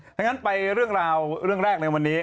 ถ้างั้นไปเรื่องราวเรื่องแรกในวันนี้